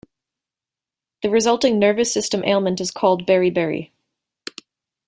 The resulting nervous system ailment is called beriberi.